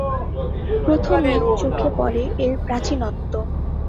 প্রথমেই চোখে পড়ে এর প্রাচীনত্ব।